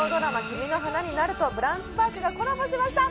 「君の花になる」とブランチパークがコラボしました！